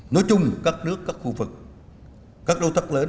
nói chung các nước các khu vực các đô thắc lớn